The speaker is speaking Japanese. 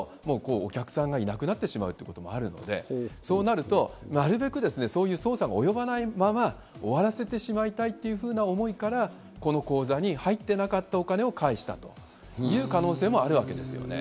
お客さんがいなくなってしまうということもあるので、そうなると、なるべくそういう捜査が及ばないまま終わらせてしまいたいというふうな思いから、その口座に入っていなかったお金を返したという可能性もあるわけです。